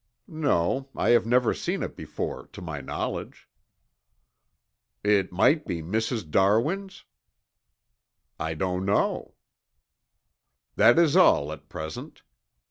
"No, I have never seen it before to my knowledge." "It might be Mrs. Darwin's?" "I don't know." "That is all at present.